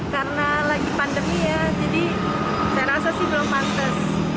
karena lagi pandemi ya jadi saya rasa sih belum pantas